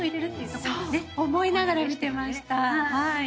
そう思いながら見てました。